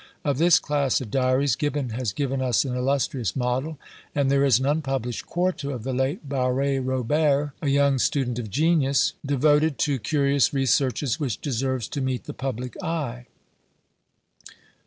Of this class of diaries, Gibbon has given us an illustrious model: and there is an unpublished quarto of the late Barré Roberts, a young student of genius, devoted to curious researches, which deserves to meet the public eye.